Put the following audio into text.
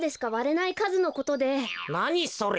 なにそれ。